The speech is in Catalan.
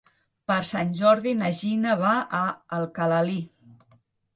Per Sant Jordi na Gina va a Alcalalí.